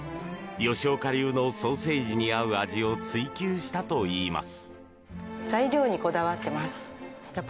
吉岡流のソーセージに合う味を追求したといいます。